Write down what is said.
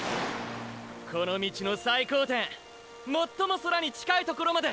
この道の最高点最も空に近いところまで。